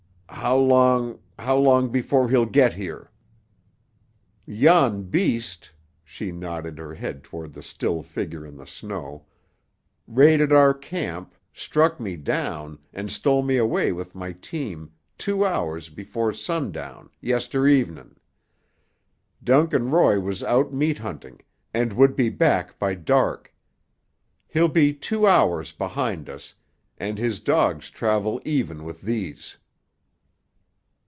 "How long—how long before he'll get here?" "Yon beast—" she nodded her head toward the still figure in the snow—"raided our camp, struck me down and stole me away with my team two hours before sundown, yestere'en. Duncan Roy was out meat hunting, and would be back by dark. He'll be two hours behind us, and his dogs travel even with these."